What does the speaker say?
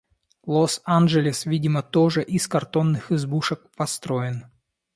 Лос-Анджелес видимо тоже из картонных избушек построен